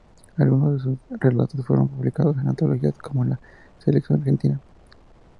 Algunos de sus relatos fueron publicados en antologías como "La selección argentina".